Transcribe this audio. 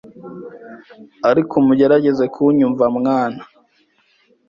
ariko mugerageze kunyumva mwana